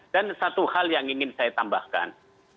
dan satu hal yang ingin saya tambahkan